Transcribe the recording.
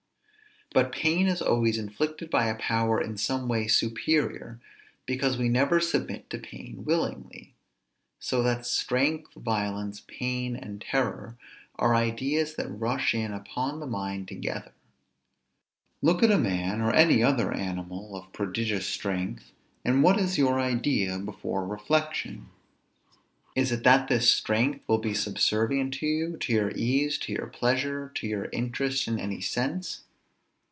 But pain is always inflicted by a power in some way superior, because we never submit to pain willingly. So that strength, violence, pain, and terror, are ideas that rush in upon the mind together. Look at a man, or any other animal of prodigious strength, and what is your idea before reflection? Is it that this strength will be subservient to you, to your ease, to your pleasure, to your interest in any sense?